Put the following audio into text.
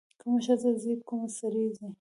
کومه ښځه ځي کوم سړی ځي.